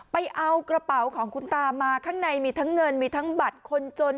ไปเอากระเป๋าของคุณตามาข้างในมีทั้งเงินมีทั้งบัตรคนจน